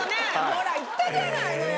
ほら言ったじゃないのよ。